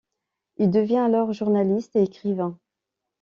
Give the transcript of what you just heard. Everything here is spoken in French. Il devient alors journaliste et écrivain.